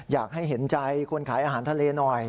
อยากให้เห็นใจคนขายอาหารทะเลหน่อย